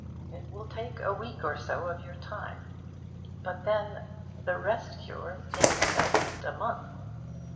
It will take a week or so of your time. But then, the 'rest cure' takes at least a month.